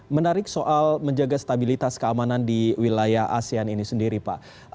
menarik soal menjaga stabilitas keamanan di wilayah asean ini sendiri pak